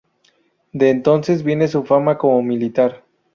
De entonces viene su fama como militar.